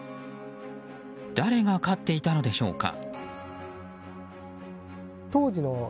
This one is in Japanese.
誰が飼っていたのでしょうか。